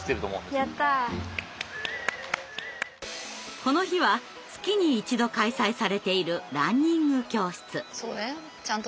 この日は月に一度開催されているランニング教室。